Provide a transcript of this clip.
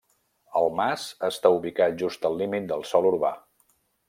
El mas està ubicat just al límit del sòl urbà.